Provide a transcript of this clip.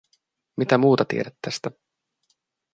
Mitä muuta tiedät tästä?